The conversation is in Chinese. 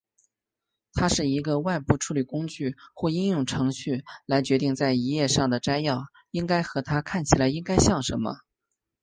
它是一个外部处理工具或应用程序来决定在一页上的摘要应该和它看起来应该像什么。